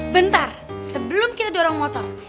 bentar sebelum kita dorong motor